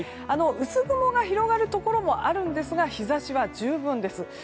薄雲が広がるところもあるんですが日差しは十分です。